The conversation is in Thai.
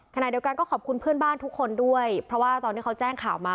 ขณะเดียวกันก็ขอบคุณเพื่อนบ้านทุกคนด้วยเพราะว่าตอนที่เขาแจ้งข่าวมา